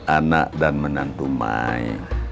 anak dan menantu mai